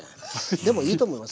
でもいいと思います。